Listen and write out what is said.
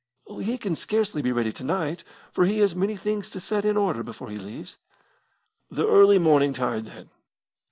"He can scarce be ready to night, for he has many things to set in order before he leaves." "The early morning tide, then."